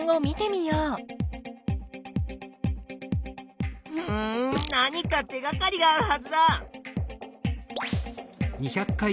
うん何か手がかりがあるはずだ！